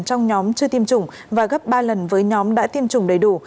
trong nhóm chưa tiêm chủng và gấp ba lần với nhóm đã tiêm chủng đầy đủ